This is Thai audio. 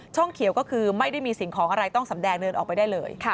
เขียวก็คือไม่ได้มีสิ่งของอะไรต้องสำแดงเดินออกไปได้เลย